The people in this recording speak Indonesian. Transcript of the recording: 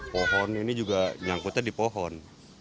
pohon ini juga nyangkutnya di pohon